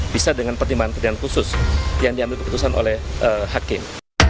bisa dengan pertimbangan pertimbangan khusus yang diambil keputusan oleh hakim